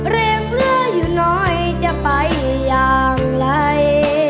แรงเรืออยู่น้อยจะไปอย่างไร